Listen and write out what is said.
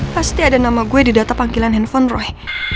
pasti ada nama gue di data panggilan handphone roy